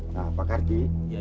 nah pak kardi